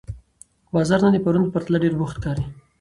بازار نن د پرون په پرتله ډېر بوخت ښکاري